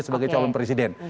sebagai calon presiden